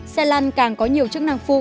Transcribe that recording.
xe lăn càng có nhiều chức năng phụ